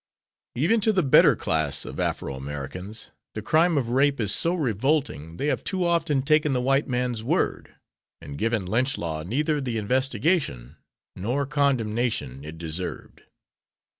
Even to the better class of Afro Americans the crime of rape is so revolting they have too often taken the white man's word and given lynch law neither the investigation nor condemnation it deserved.